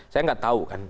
saya tidak tahu kan